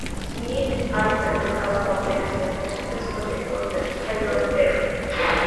Smith ha interpretado papeles en múltiples proyectos de Tyler Perry.